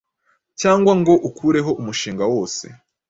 cyangwa ngo ukureho umushinga wose